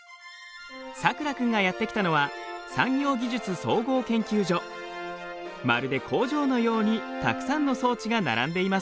さくら君がやって来たのはまるで工場のようにたくさんの装置が並んでいます。